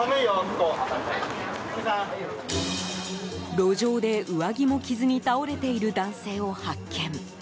路上で上着も着ずに倒れている男性を発見。